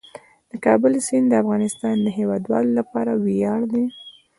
د کابل سیند د افغانستان د هیوادوالو لپاره ویاړ دی.